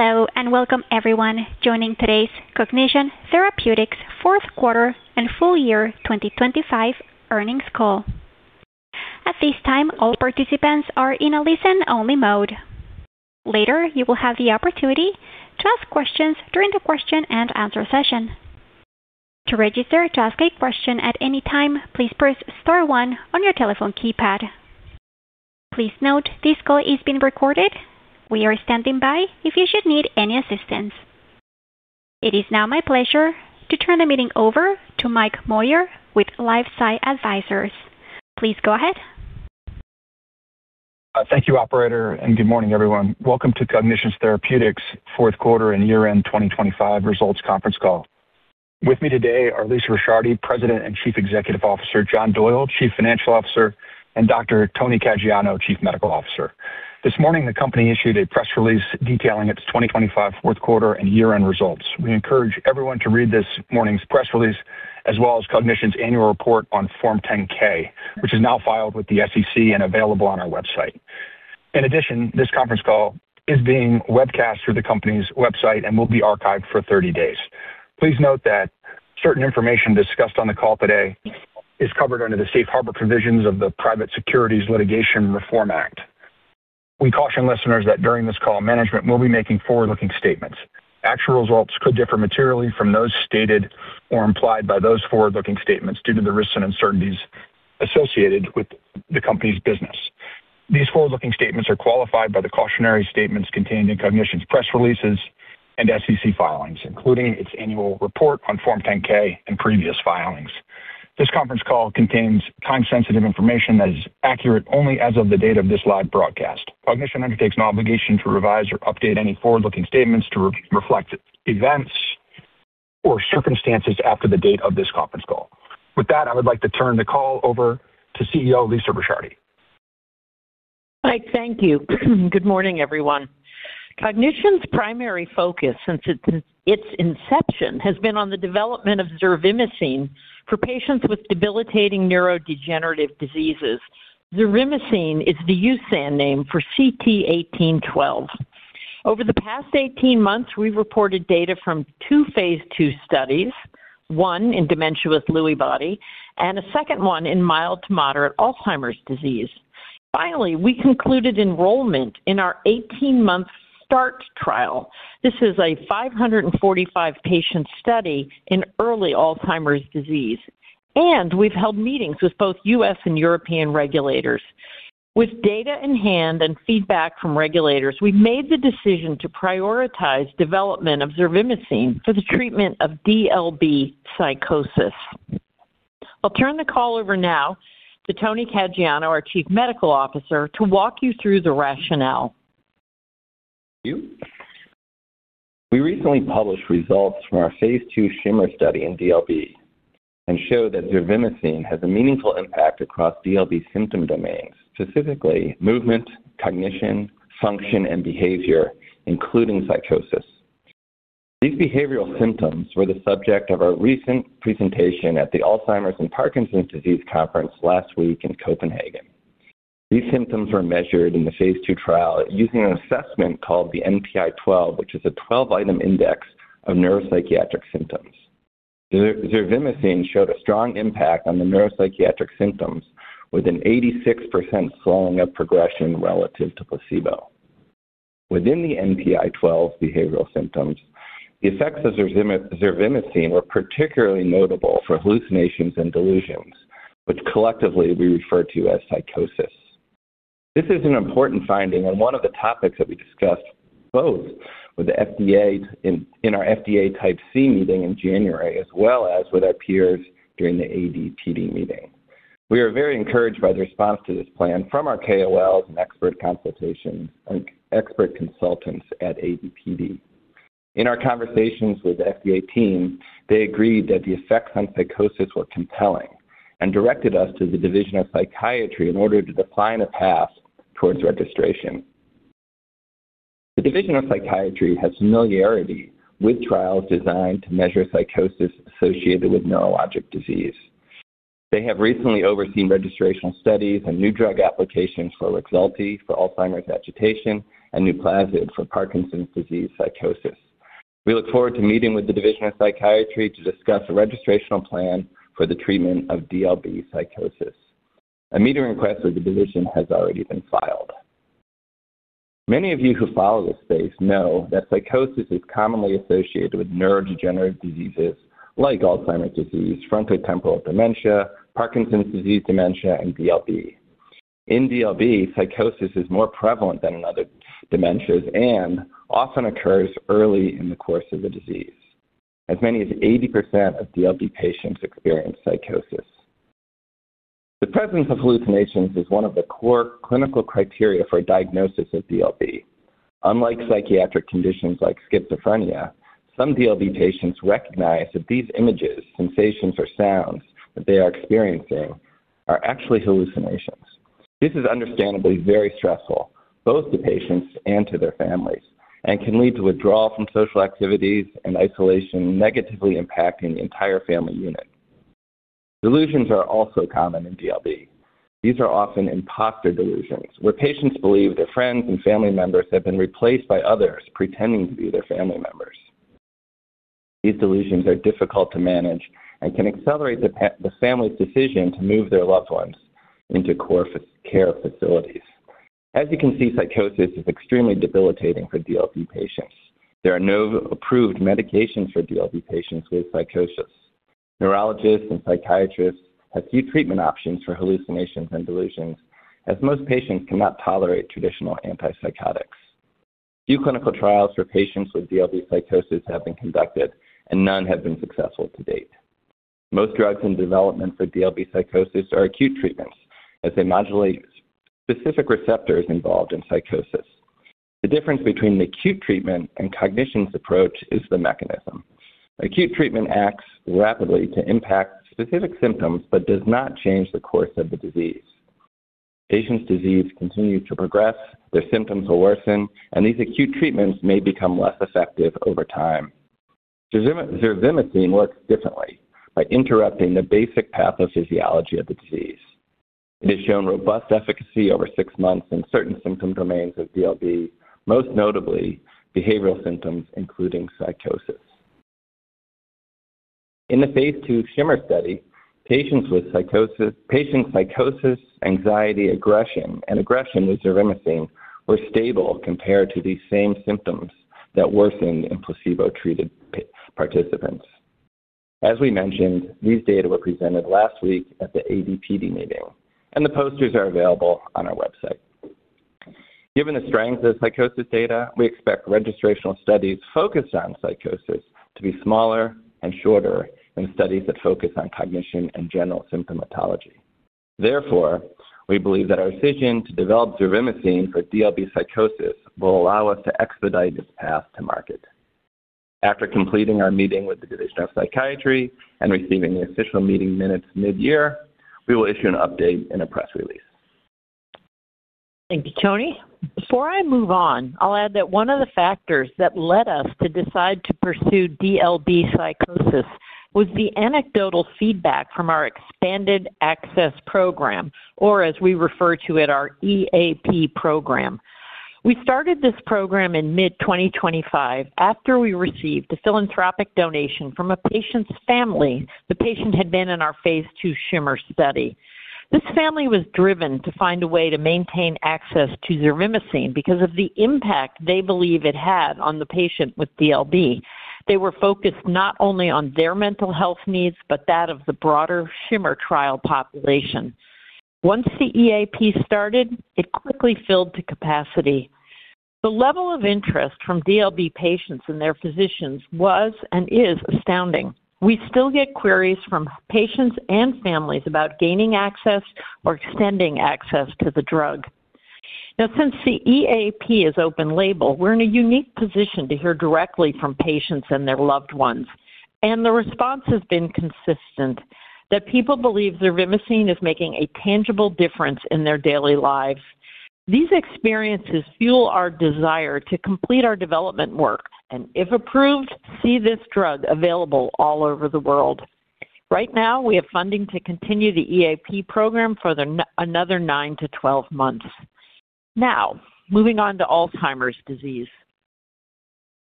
Hello and welcome everyone joining today's Cognition Therapeutics fourth quarter and full year 2025 earnings call. At this time, all participants are in a listen-only mode. Later, you will have the opportunity to ask questions during the question and answer session. To register to ask a question at any time, please press star one on your telephone keypad. Please note this call is being recorded. We are standing by if you should need any assistance. It is now my pleasure to turn the meeting over to Mike Moyer with LifeSci Advisors. Please go ahead. Thank you, operator, and good morning everyone. Welcome to Cognition Therapeutics' fourth quarter and year-end 2025 results conference call. With me today are Lisa Ricciardi, President and Chief Executive Officer, John Doyle, Chief Financial Officer, and Dr. Tony Caggiano, Chief Medical Officer. This morning, the company issued a press release detailing its 2025 fourth quarter and year-end results. We encourage everyone to read this morning's press release, as well as Cognition's annual report on Form 10-K, which is now filed with the SEC and available on our website. In addition, this conference call is being webcast through the company's website and will be archived for 30 days. Please note that certain information discussed on the call today is covered under the safe harbor provisions of the Private Securities Litigation Reform Act. We caution listeners that during this call, management will be making forward-looking statements. Actual results could differ materially from those stated or implied by those forward-looking statements due to the risks and uncertainties associated with the company's business. These forward-looking statements are qualified by the cautionary statements contained in Cognition's press releases and SEC filings, including its annual report on Form 10-K and previous filings. This conference call contains time-sensitive information that is accurate only as of the date of this live broadcast. Cognition undertakes no obligation to revise or update any forward-looking statements to reflect events or circumstances after the date of this conference call. With that, I would like to turn the call over to CEO Lisa Ricciardi. Mike, thank you. Good morning, everyone. Cognition's primary focus since its inception has been on the development of zervimesine for patients with debilitating neurodegenerative diseases. Zervimesine is the USAN name for CT-1812. Over the past 18 months, we've reported data from two phase II studies, one in dementia with Lewy bodies and a second one in mild to moderate Alzheimer's disease. Finally, we concluded enrollment in our 18-month START trial. This is a 545-patient study in early Alzheimer's disease, and we've held meetings with both U.S. and European regulators. With data in hand and feedback from regulators, we've made the decision to prioritize development of zervimesine for the treatment of DLB psychosis. I'll turn the call over now to Tony Caggiano, our Chief Medical Officer, to walk you through the rationale. Thank you. We recently published results from our phase II SHIMMER study in DLB and showed that zervimesine has a meaningful impact across DLB symptom domains, specifically movement, cognition, function, and behavior, including psychosis. These behavioral symptoms were the subject of our recent presentation at the Alzheimer's and Parkinson's Disease Conference last week in Copenhagen. These symptoms were measured in the phase II trial using an assessment called the NPI-12, which is a 12-item index of neuropsychiatric symptoms. Zervimesine showed a strong impact on the neuropsychiatric symptoms with an 86% slowing of progression relative to placebo. Within the NPI-12 behavioral symptoms, the effects of zervimesine were particularly notable for hallucinations and delusions, which collectively we refer to as psychosis. This is an important finding and one of the topics that we discussed both with the FDA in our FDA type C meeting in January, as well as with our peers during the ADPD meeting. We are very encouraged by the response to this plan from our KOLs and expert consultants at ADPD. In our conversations with the FDA team, they agreed that the effects on psychosis were compelling and directed us to the Division of Psychiatry in order to define a path towards registration. The Division of Psychiatry has familiarity with trials designed to measure psychosis associated with neurologic disease. They have recently overseen registrational studies and new drug applications for Rexulti, for Alzheimer's agitation, and Nuplazid for Parkinson's disease psychosis. We look forward to meeting with the Division of Psychiatry to discuss a registrational plan for the treatment of DLB psychosis. A meeting request with the division has already been filed. Many of you who follow this space know that psychosis is commonly associated with neurodegenerative diseases like Alzheimer's disease, frontotemporal dementia, Parkinson's disease dementia, and DLB. In DLB, psychosis is more prevalent than in other dementias and often occurs early in the course of the disease. As many as 80% of DLB patients experience psychosis. The presence of hallucinations is one of the core clinical criteria for a diagnosis of DLB. Unlike psychiatric conditions like schizophrenia, some DLB patients recognize that these images, sensations, or sounds that they are experiencing are actually hallucinations. This is understandably very stressful, both to patients and to their families, and can lead to withdrawal from social activities and isolation, negatively impacting the entire family unit. Delusions are also common in DLB. These are often impostor delusions, where patients believe their friends and family members have been replaced by others pretending to be their family members. These delusions are difficult to manage and can accelerate the family's decision to move their loved ones into nursing care facilities. As you can see, psychosis is extremely debilitating for DLB patients. There are no approved medications for DLB patients with psychosis. Neurologists and psychiatrists have few treatment options for hallucinations and delusions, as most patients cannot tolerate traditional antipsychotics. Few clinical trials for patients with DLB psychosis have been conducted, and none have been successful to date. Most drugs in development for DLB psychosis are acute treatments as they modulate specific receptors involved in psychosis. The difference between the acute treatment and Cognition's approach is the mechanism. Acute treatment acts rapidly to impact specific symptoms but does not change the course of the disease. Patients' disease continue to progress, their symptoms will worsen, and these acute treatments may become less effective over time. Zervimesine works differently by interrupting the basic pathophysiology of the disease. It has shown robust efficacy over six months in certain symptom domains of DLB, most notably behavioral symptoms including psychosis. In the phase II SHIMMER study, patients with psychosis, anxiety, aggression, and agitation with zervimesine were stable compared to these same symptoms that worsened in placebo-treated participants. As we mentioned, these data were presented last week at the ADPD meeting, and the posters are available on our website. Given the strength of the psychosis data, we expect registrational studies focused on psychosis to be smaller and shorter than studies that focus on cognition and general symptomatology. Therefore, we believe that our decision to develop zervimesine for DLB psychosis will allow us to expedite its path to market. After completing our meeting with the Division of Psychiatry and receiving the official meeting minutes mid-year, we will issue an update in a press release. Thank you, Tony. Before I move on, I'll add that one of the factors that led us to decide to pursue DLB psychosis was the anecdotal feedback from our expanded access program, or as we refer to it, our EAP program. We started this program in mid-2025 after we received a philanthropic donation from a patient's family. The patient had been in our phase II SHIMMER study. This family was driven to find a way to maintain access to zervimesine because of the impact they believe it had on the patient with DLB. They were focused not only on their mental health needs, but that of the broader SHIMMER trial population. Once the EAP started, it quickly filled to capacity. The level of interest from DLB patients and their physicians was and is astounding. We still get queries from patients and families about gaining access or extending access to the drug. Now, since the EAP is open label, we're in a unique position to hear directly from patients and their loved ones, and the response has been consistent that people believe zervimesine is making a tangible difference in their daily lives. These experiences fuel our desire to complete our development work, and if approved, see this drug available all over the world. Right now, we have funding to continue the EAP program for another nine to 12 months. Now, moving on to Alzheimer's disease.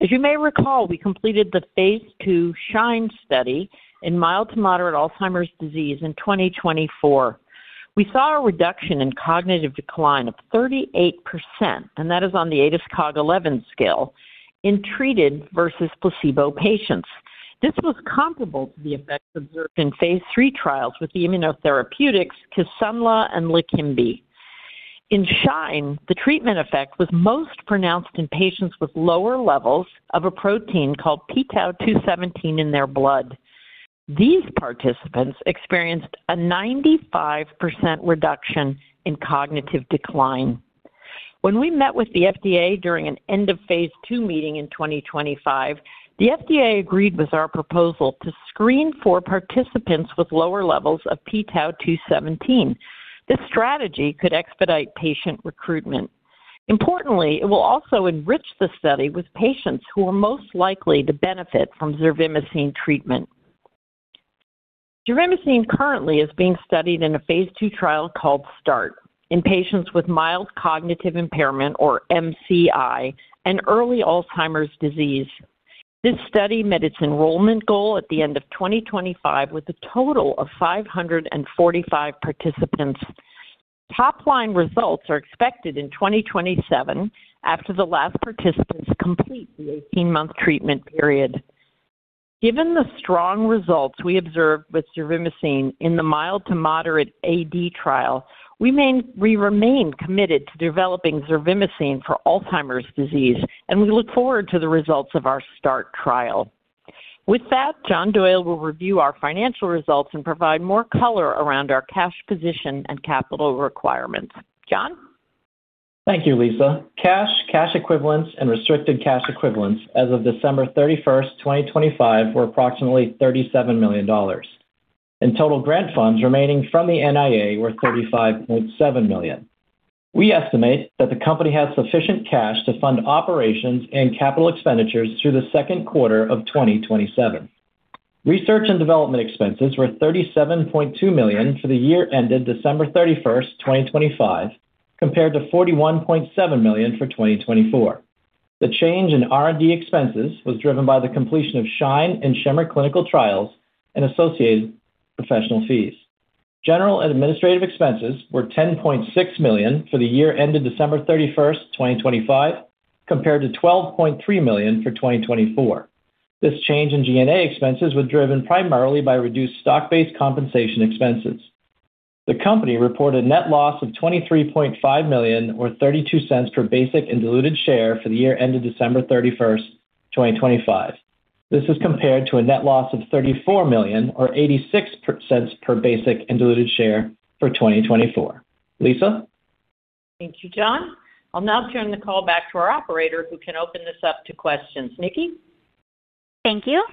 As you may recall, we completed the phase II SHINE study in mild to moderate Alzheimer's disease in 2024. We saw a reduction in cognitive decline of 38%, and that is on the ADAS-Cog 11 scale in treated versus placebo patients. This was comparable to the effects observed in phase III trials with the immunotherapeutics Kisunla and Leqembi. In SHINE, the treatment effect was most pronounced in patients with lower levels of a protein called p-tau217 in their blood. These participants experienced a 95% reduction in cognitive decline. When we met with the FDA during an end of phase II meeting in 2025, the FDA agreed with our proposal to screen for participants with lower levels of p-tau217. This strategy could expedite patient recruitment. Importantly, it will also enrich the study with patients who are most likely to benefit from zervimesine treatment. Zervimesine currently is being studied in a phase II trial called START in patients with mild cognitive impairment or MCI and early Alzheimer's disease. This study met its enrollment goal at the end of 2025 with a total of 545 participants. Top line results are expected in 2027 after the last participants complete the 18-month treatment period. Given the strong results we observed with zervimesine in the mild to moderate AD trial, we remain committed to developing zervimesine for Alzheimer's disease, and we look forward to the results of our START trial. With that, John Doyle will review our financial results and provide more color around our cash position and capital requirements. John. Thank you, Lisa. Cash, cash equivalents, and restricted cash equivalents as of December 31st, 2025, were approximately $37 million. Total grant funds remaining from the NIA were $35.7 million. We estimate that the company has sufficient cash to fund operations and capital expenditures through the second quarter of 2027. Research and development expenses were $37.2 million for the year ended December 31st, 2025, compared to $41.7 million for 2024. The change in R&D expenses was driven by the completion of SHINE and SHIMMER clinical trials and associated professional fees. General and administrative expenses were $10.6 million for the year ended December 31st, 2025, compared to $12.3 million for 2024. This change in G&A expenses was driven primarily by reduced stock-based compensation expenses. The company reported net loss of $23.5 million, or $0.32 per basic and diluted share for the year ended December 31st, 2025. This is compared to a net loss of $34 million or $0.86 per basic and diluted share for 2024. Lisa? Thank you, John. I'll now turn the call back to our operator, who can open this up to questions. Nikki? Thank you.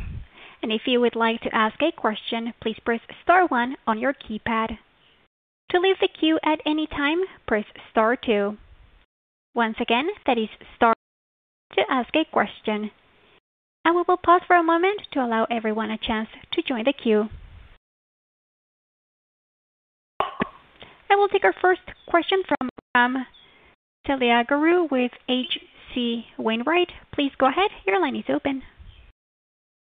If you would like to ask a question, please press star one on your keypad. To leave the queue at any time, press star two. Once again, that is star two to ask a question. We will pause for a moment to allow everyone a chance to join the queue. We'll take our first question from Ram Selvaraju with H.C. Wainwright. Please go ahead. Your line is open.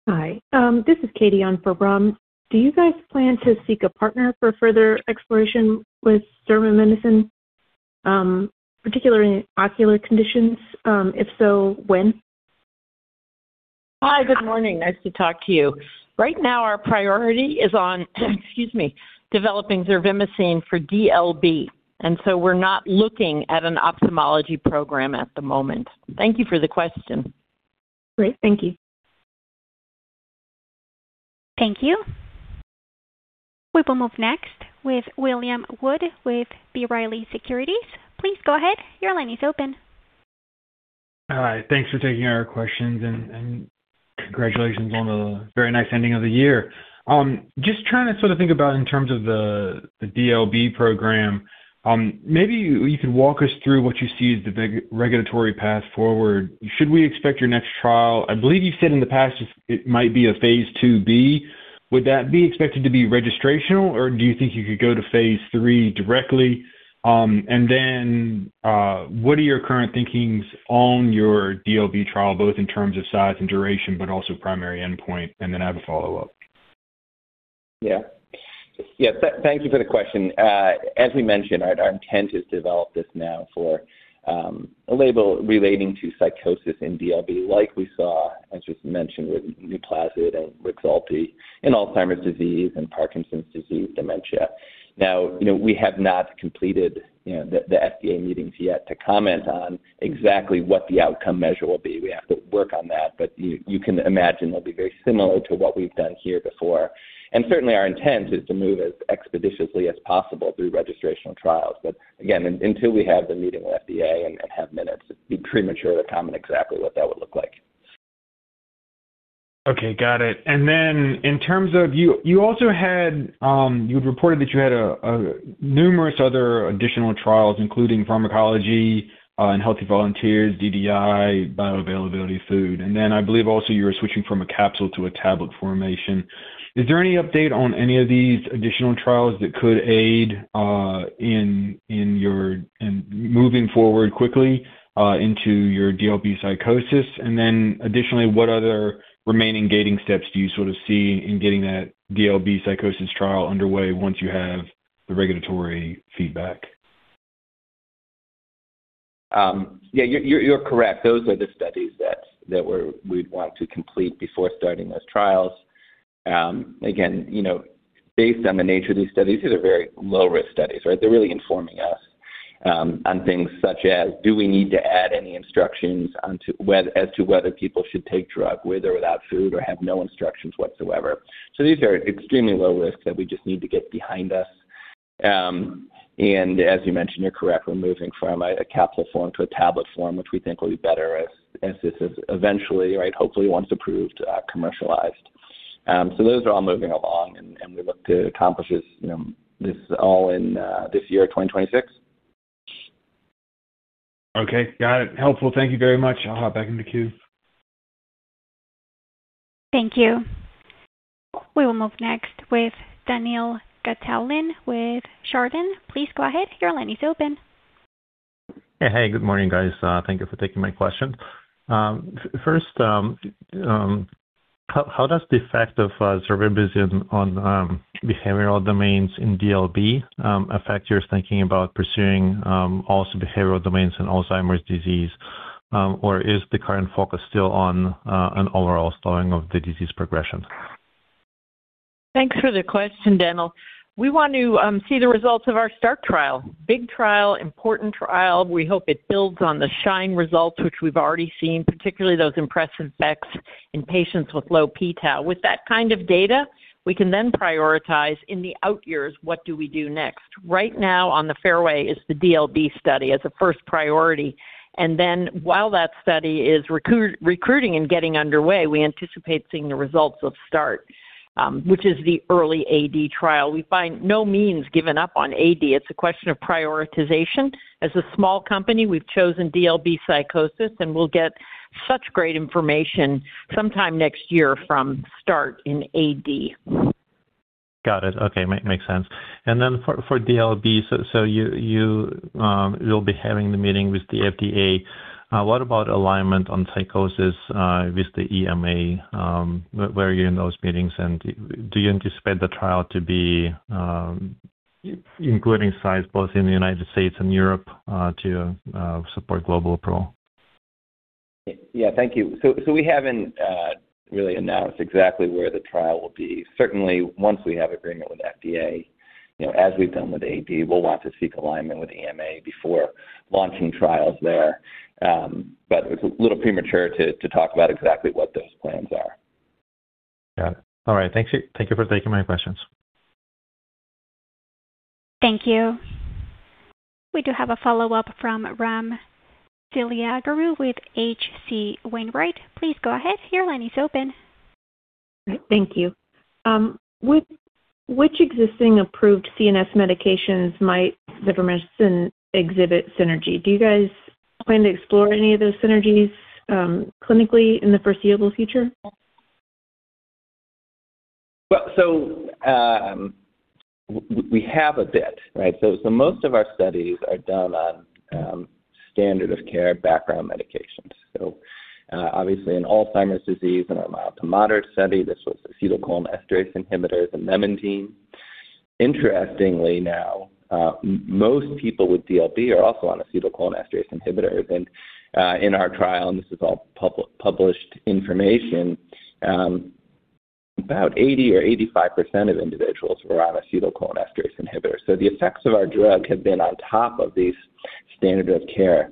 Hi, this is Katie on for Ram. Do you guys plan to seek a partner for further exploration with zervimesine, particularly in ocular conditions? If so, when? Hi. Good morning. Nice to talk to you. Right now, our priority is on, excuse me, developing zervimesine for DLB. We're not looking at an ophthalmology program at the moment. Thank you for the question. Great. Thank you. Thank you. We will move next with William Wood with B. Riley Securities. Please go ahead. Your line is open. Hi. Thanks for taking our questions and congratulations on the very nice ending of the year. Just trying to sort of think about in terms of the DLB program, maybe you could walk us through what you see as the regulatory path forward. Should we expect your next trial, I believe you said in the past it might be a phase IIb. Would that be expected to be registrational, or do you think you could go to phase III directly? What are your current thinking on your DLB trial, both in terms of size and duration but also primary endpoint? I have a follow-up. Yeah. Yeah, thank you for the question. As we mentioned, our intent is to develop this now for a label relating to psychosis in DLB, like we saw, as just mentioned, with Nuplazid and Rexulti in Alzheimer's disease and Parkinson's disease dementia. Now, you know, we have not completed, you know, the FDA meetings yet to comment on exactly what the outcome measure will be. We have to work on that, but you can imagine it'll be very similar to what we've done here before. Certainly our intent is to move as expeditiously as possible through registrational trials. Again, until we have the meeting with FDA and have minutes, it'd be premature to comment exactly what that would look like. Okay, got it. In terms of you also had reported that you had numerous other additional trials, including pharmacology in healthy volunteers, DDI, bioavailability food. I believe also you were switching from a capsule to a tablet formation. Is there any update on any of these additional trials that could aid in your moving forward quickly into your DLB psychosis? Additionally, what other remaining gating steps do you sort of see in getting that DLB psychosis trial underway once you have the regulatory feedback? Yeah, you're correct. Those are the studies that we'd want to complete before starting those trials. Again, you know, based on the nature of these studies, these are very low-risk studies, right? They're really informing us on things such as do we need to add any instructions as to whether people should take drug with or without food or have no instructions whatsoever. These are extremely low risk that we just need to get behind us. As you mentioned, you're correct, we're moving from a capsule form to a tablet form, which we think will be better as this is eventually, right, hopefully, once approved, commercialized. Those are all moving along and we look to accomplish this, you know, this all in this year, 2026. Okay. Got it. Helpful. Thank you very much. I'll hop back in the queue. Thank you. We will move next with Daniil Gataulin with Chardan. Please go ahead. Your line is open. Hey. Good morning, guys. Thank you for taking my question. First, how does the effect of zervimesine on behavioral domains in DLB affect your thinking about pursuing also behavioral domains in Alzheimer's disease? Or is the current focus still on an overall slowing of the disease progression? Thanks for the question, Daniil. We want to see the results of our START trial. Big trial, important trial. We hope it builds on the SHINE results, which we've already seen, particularly those impressive effects in patients with low p-tau. With that kind of data, we can then prioritize in the out years, what do we do next? Right now on the fairway is the DLB study as a first priority. While that study is recruiting and getting underway, we anticipate seeing the results of START, which is the early AD trial. We by no means given up on AD. It's a question of prioritization. As a small company, we've chosen DLB psychosis, and we'll get feedback. Such great information sometime next year from START in AD. Got it. Okay. Makes sense. For DLB, you will be having the meeting with the FDA. What about alignment on psychosis with the EMA? Where are you in those meetings, and do you anticipate the trial to be including sites both in the United States and Europe to support global approval? Yeah, thank you. We haven't really announced exactly where the trial will be. Certainly, once we have agreement with FDA, you know, as we've done with AD, we'll want to seek alignment with EMA before launching trials there. It's a little premature to talk about exactly what those plans are. Got it. All right. Thank you. Thank you for taking my questions. Thank you. We do have a follow-up from Ram Selvaraju with H.C. Wainwright Please go ahead. Your line is open. Thank you. With which existing approved CNS medications might zervimesine exhibit synergy? Do you guys plan to explore any of those synergies, clinically in the foreseeable future? We have a bit, right? Most of our studies are done on standard of care background medications. Obviously in Alzheimer's disease and our mild to moderate study, this was acetylcholinesterase inhibitors and memantine. Interestingly now, most people with DLB are also on acetylcholinesterase inhibitors. In our trial, and this is all published information, about 80 or 85% of individuals were on acetylcholinesterase inhibitors. The effects of our drug have been on top of these standard of care.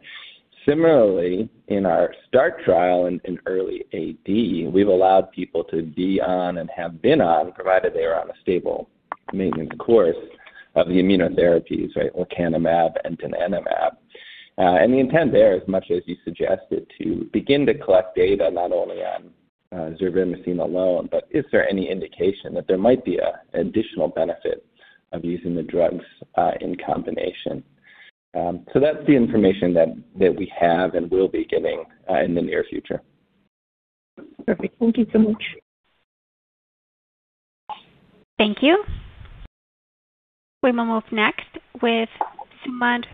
Similarly, in our START trial in early AD, we've allowed people to be on and have been on, provided they are on a stable maintenance course of the immunotherapies, right? Lecanemab and donanemab. The intent there, as much as you suggested, to begin to collect data not only on zervimesine alone, but is there any indication that there might be an additional benefit of using the drugs in combination. That's the information that we have and will be giving in the near future. Perfect. Thank you so much. Thank you. We will move next with Sumant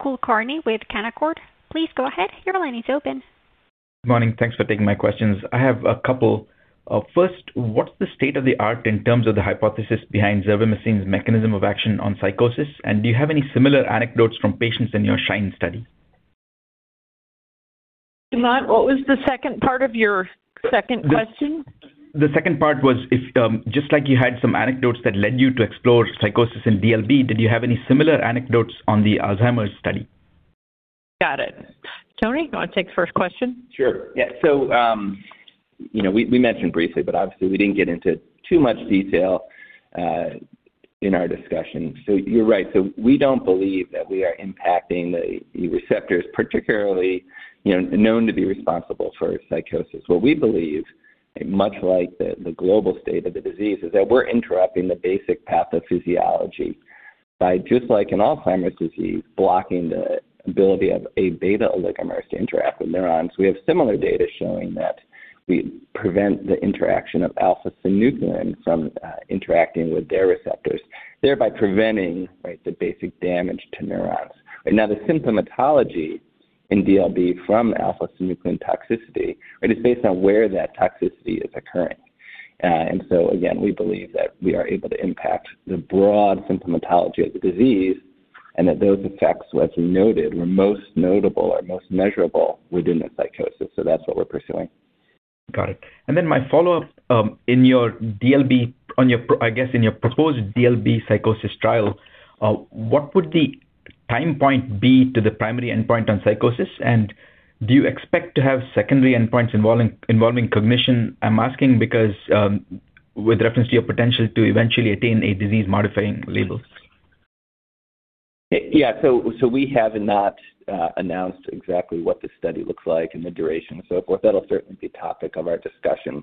Kulkarni with Canaccord. Please go ahead. Your line is open. Good morning. Thanks for taking my questions. I have a couple. First, what's the state of the art in terms of the hypothesis behind zervimesine's mechanism of action on psychosis? And do you have any similar anecdotes from patients in your SHINE study? Sumant, what was the second part of your second question? The second part was if, just like you had some anecdotes that led you to explore psychosis in DLB, did you have any similar anecdotes on the Alzheimer's study? Got it. Tony, you wanna take the first question? Sure, yeah. You know, we mentioned briefly, but obviously we didn't get into too much detail in our discussion. You're right. We don't believe that we are impacting the receptors particularly, you know, known to be responsible for psychosis. What we believe, much like the global state of the disease, is that we're interrupting the basic pathophysiology by just like in Alzheimer's disease, blocking the ability of Aβ oligomers to interact with neurons. We have similar data showing that we prevent the interaction of alpha-synuclein from interacting with their receptors, thereby preventing, right, the basic damage to neurons. Now, the symptomatology in DLB from alpha-synuclein toxicity is based on where that toxicity is occurring. Again, we believe that we are able to impact the broad symptomatology of the disease and that those effects, as we noted, were most notable or most measurable within the psychosis. That's what we're pursuing. Got it. My follow-up. In your DLB, I guess in your proposed DLB psychosis trial, what would the time point be to the primary endpoint on psychosis? And do you expect to have secondary endpoints involving cognition? I'm asking because, with reference to your potential to eventually attain a disease-modifying label. We have not announced exactly what the study looks like and the duration and so forth. That'll certainly be a topic of our discussion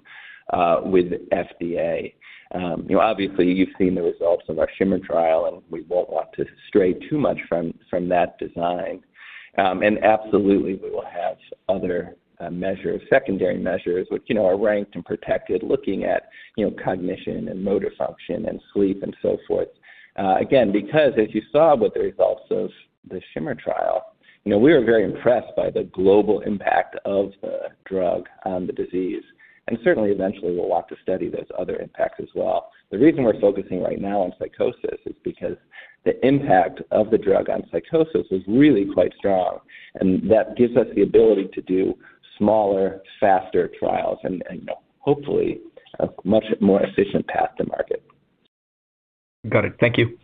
with FDA. You know, obviously you've seen the results of our SHIMMER trial, and we won't want to stray too much from that design. Absolutely we will have other measures, secondary measures which you know are ranked and protected, looking at you know cognition and motor function and sleep and so forth. Again, because as you saw with the results of the SHIMMER trial, you know, we are very impressed by the global impact of the drug on the disease. Certainly eventually we'll want to study those other impacts as well. The reason we're focusing right now on psychosis is because the impact of the drug on psychosis is really quite strong, and that gives us the ability to do smaller, faster trials and hopefully a much more efficient path to market. Got it. Thank you.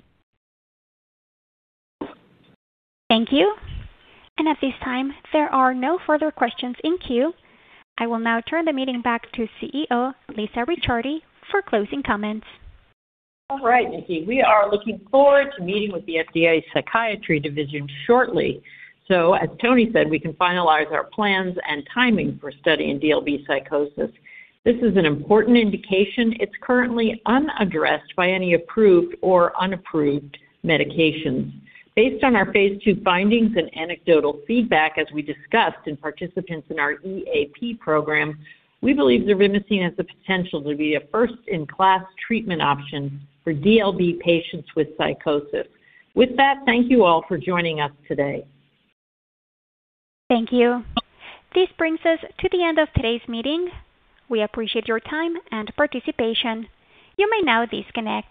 Thank you. At this time, there are no further questions in queue. I will now turn the meeting back to CEO Lisa Ricciardi for closing comments. All right, Nikki. We are looking forward to meeting with the FDA's Division of Psychiatry shortly. As Tony said, we can finalize our plans and timing for studying DLB psychosis. This is an important indication. It's currently unaddressed by any approved or unapproved medications. Based on our phase II findings and anecdotal feedback, as we discussed in participants in our EAP program, we believe zervimesine has the potential to be a first-in-class treatment option for DLB patients with psychosis. With that, thank you all for joining us today. Thank you. This brings us to the end of today's meeting. We appreciate your time and participation. You may now disconnect.